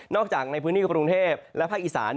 จากในพื้นที่กรุงเทพและภาคอีสาน